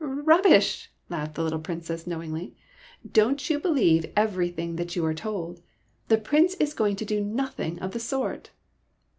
*' "Rubbish!" laughed the little Princess, knowingly. "Don't you believe everything 92 SOMEBODY ELSE'S PRINCE you are told ! The Prince is going to do nothing of the sort